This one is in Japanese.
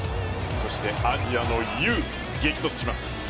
そしてアジアの雄激突します。